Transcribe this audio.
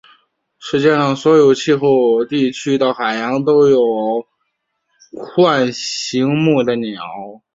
世界上所有气候地区的海洋都有鹱形目的鸟。